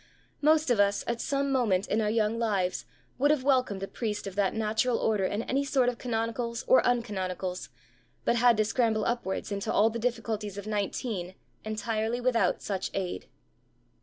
Most of us, at some moment in our young lives, would have welcomed a priest of that natural order in any sort of canonicals or uncanonicals, but had to scramble upwards into all the difficulties of nineteen entirely without such aid.'